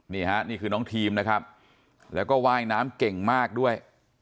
นี่ฮะนี่คือน้องทีมนะครับแล้วก็ว่ายน้ำเก่งมากด้วย